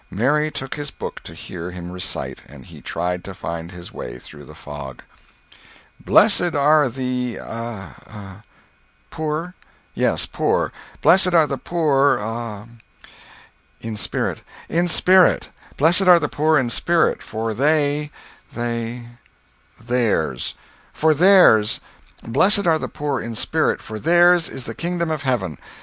Mary took his book to hear him recite, and he tried to find his way through the fog: "Blessed are the—a—a—" "Poor"— "Yes—poor; blessed are the poor—a—a—" "In spirit—" "In spirit; blessed are the poor in spirit, for they—they—" "Theirs—" "For theirs. Blessed are the poor in spirit, for theirs is the kingdom of heaven.